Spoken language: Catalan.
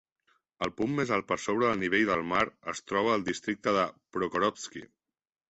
El punt més alt per sobre del nivell del mar es troba al districte de Prokhorovsky.